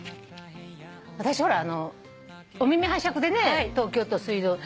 私ほら「お耳拝借」でね東京都水道。